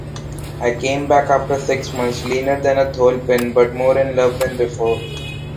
I came back after six months, leaner than a thole pin, but more in love than before.